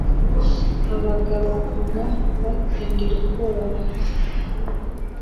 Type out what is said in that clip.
Abagabo kuva batsindira Ubwoba na busa